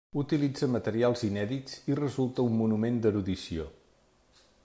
Utilitza materials inèdits i resulta un monument d'erudició.